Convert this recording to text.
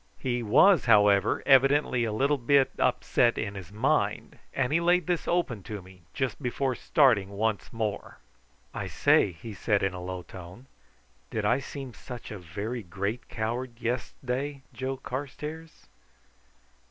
He was, however evidently a little bit upset in his mind, and he laid this open to me just before starting once more. "I say," he said in a low tone, "did I seem such a very great coward yes'day, Joe Carstairs?"